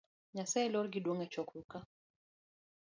Nyasaye lor gi duong echokruok ka